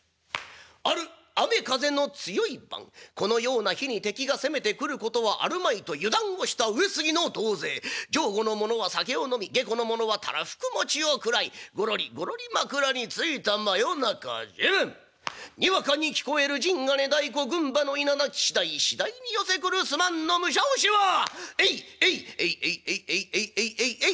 ある雨風の強い晩このような日に敵が攻めてくることはあるまいと油断をした上杉の同勢上戸の者は酒を飲み下戸の者はたらふく餅を食らいごろりごろり枕に就いた真夜中にわかに聞こえる陣鐘太鼓軍馬のいななき次第次第に寄せ来る数万の武者押しはエイエイエイエイエイエイエイエイエイエイ！